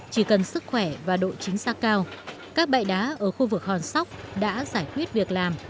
chỉ cần sức khỏe và độ chính xác cao các bãi đá ở khu vực hòn sóc đã giải quyết việc làm